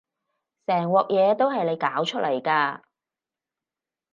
成鑊嘢都係你搞出嚟㗎